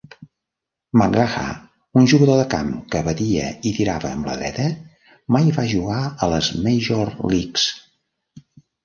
McGaha, un jugador de camp que batia i tirava amb la dreta, mai va jugar a les Major Leagues.